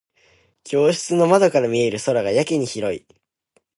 教室の窓から見える空がやけに広い。